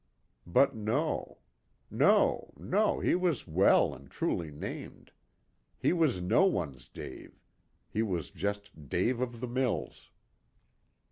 But no. No, no; he was well and truly named. He was no one's Dave. He was just Dave of the Mills.